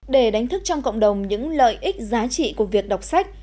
để đánh thức trong cộng đồng những lợi ích giá trị của việc đọc sách